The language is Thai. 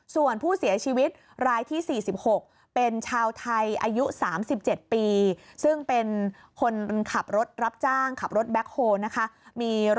ส่วนผู้เสียชีวิตรายที่๔๖เป็นชาวไทยอายุ๓๗ปี